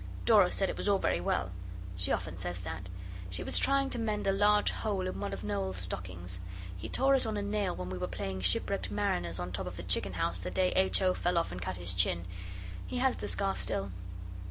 Dora said it was all very well. She often says that. She was trying to mend a large hole in one of Noel's stockings. He tore it on a nail when we were playing shipwrecked mariners on top of the chicken house the day H. O. fell off and cut his chin: he has the scar still.